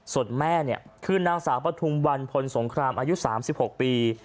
ส่วนแม่เนี่ยคือนางสาวปฐุมวันพลสงครามอายุ๓๖ปี